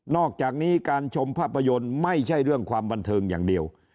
อกจากนี้การชมภาพยนตร์ไม่ใช่เรื่องความบันเทิงอย่างเดียว